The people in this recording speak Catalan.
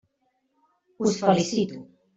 Us felicito.